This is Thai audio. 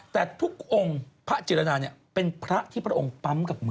แต่ทุกองค์พระจิรดาเป็นพระที่พระองค์ปั๊มกับมือ